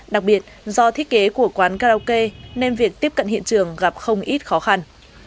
đặc biệt do thiết kế của quán karaoke nên việc tiếp cận hiện trường gặp không ít khó khăn